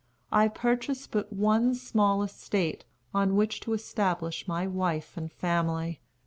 I purchased but one small estate, on which to establish my wife and family.